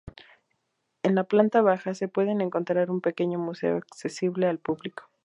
En la planta baja, se puede encontrar un pequeño museo accesible al público.